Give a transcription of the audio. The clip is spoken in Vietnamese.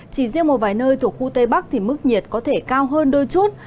chỉ riêng một vài nơi thuộc khu tây bắc thì mức nhiệt có thể cao hơn đôi chút